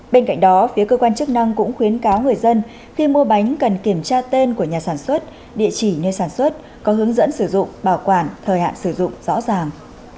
bên cạnh đó phía cơ quan chức năng cũng khuyến cáo người dân khi mua bánh cần kiểm tra tên của nhà sản xuất địa chỉ nơi sản xuất có hướng dẫn sử dụng bảo quản thời hạn sử dụng rõ ràng